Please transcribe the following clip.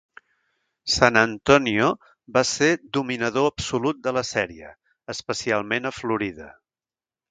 San Antonio va ser dominador absolut de la sèrie, especialment a Florida.